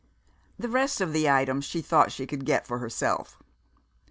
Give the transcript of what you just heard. The rest of the items she thought she could get for herself.